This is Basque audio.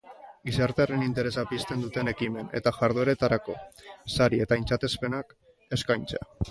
Gizartearen interesa pizten duten ekimen eta jardueretarako sari eta aintzatespenak eskaintzea.